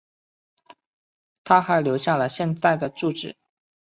她还留下了现在的住址。